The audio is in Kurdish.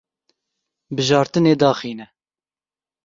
Bijartinê daxîne.